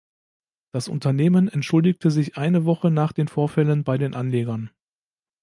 Das Unternehmen entschuldigte sich eine Woche nach den Vorfällen bei den Anlegern.